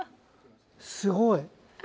すごい。